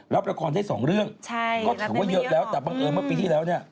รับละครได้สองเรื่องก็ถือว่าเยอะแล้วแต่บังเอิญเมื่อปีที่แล้วเนี่ย